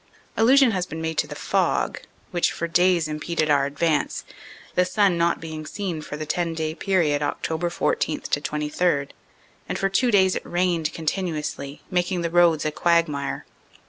Allusion has been made to the fog, which for days impeded our advance, the sun not being seen for the 10 day period, Oct. 14 to 23, and for two days it rained continuously, making the roads a quagmire.